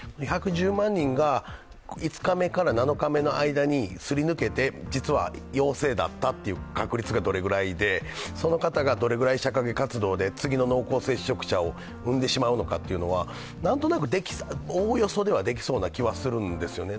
１１０万人が５日目から７日目の間にすり抜けて、実は陽性だった確率がどれくらいでその方がどれぐらい社会活動で次の濃厚接触者を生んでしまうのかというのは、何となくおおよそではできそうな気がするんですよね。